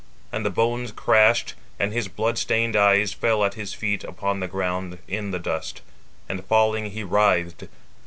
And the bones crashed, and his blood stained eyes fell at his feet upon the ground in the dust: and falling, he writhed.